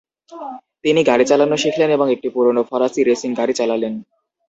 তিনি গাড়ি চালানো শিখলেন এবং একটি পুরানো ফরাসী রেসিং গাড়ি চালালেন।